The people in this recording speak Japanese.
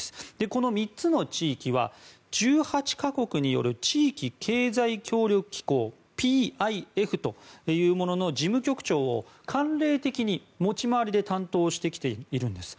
この３つの地域は１８か国による地域経済協力機構ＰＩＦというものの事務局長を慣例的に持ち回りで担当してきているんです。